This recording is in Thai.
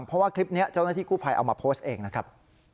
เพราะว่าคลิปนี้เจ้าหน้าที่กู้ภัยเอามาโพสต์เองนะครับ